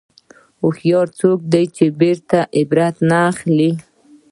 هوښیار څوک دی چې د تېرو نه عبرت اخلي.